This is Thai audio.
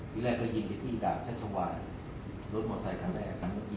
ทีแรกก็ยิงอยู่ที่ดาบชาชวายรถมอสไซค์ขันแรก